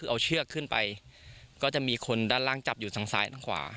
เอาเชือกขึ้นไปก็จะมีคนด้านล่างจับอยู่ทางซ้ายด้านขวา